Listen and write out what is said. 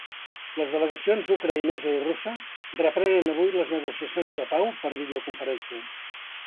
Les delegacions ucraïnesa i russa reprenen avui les negociacions de pau per videoconferència.